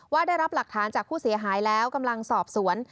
ว่าได้รับหลักฐานจากผู้เสียหายแล้วกำลังสอบสวน